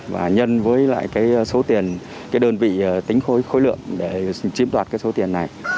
và nhân với lại cái số tiền cái đơn vị tính khối khối lượng để chiếm đoạt cái số tiền này